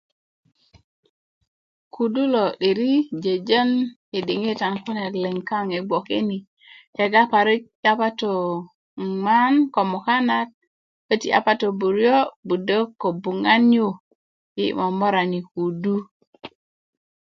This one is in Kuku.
kudu lo 'diri jojon i diŋitan kune liŋ kaŋ bgoke ni kega parik yapato nŋan ko mukanat köti yapato buriyo budok ko buŋan yu yi momorani kudu